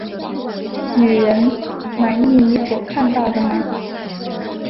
女人，满意你所看到的吗？